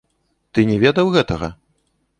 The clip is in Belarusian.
Ты не ведаў гэтага?